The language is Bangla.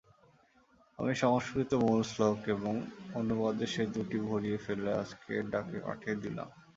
আমি সংস্কৃত মূল শ্লোক এবং অনুবাদে সে দুটি ভরিয়ে ফেলে আজকের ডাকে পাঠিয়ে দিলাম।